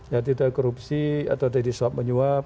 ya tidak korupsi atau tadi swap menyuap